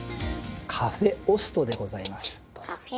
「カフェオスト」でございます。